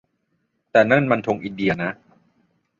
แต่นั่นมันธงอินเดียนะ